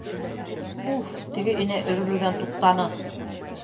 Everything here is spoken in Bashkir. Уф, теге энә өрөлөүҙән туҡтаны.